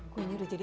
kuenya udah jadi